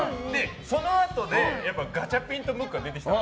そのあと、ガチャピンとムックが出てきたの。